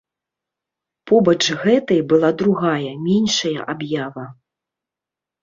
Побач гэтай была другая, меншая аб'ява.